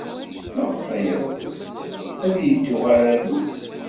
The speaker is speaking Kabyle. Maɣef ay yeɣtes ad yeddu ɣer Rrus?